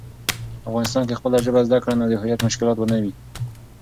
افغانسان کی خپله ژبه زده کړه، نو د هویت مشکلات به نه وي.